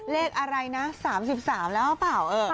เลขอะไรนะ๓๓แล้วหรือเปล่า